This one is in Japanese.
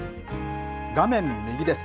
画面右です。